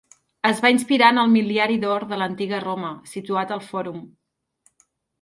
Es va inspirar en el Mil·liari d'or de l'antiga Roma, situat al fòrum.